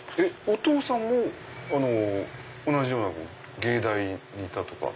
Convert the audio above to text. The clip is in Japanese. お父さんも同じような藝大にいたとか？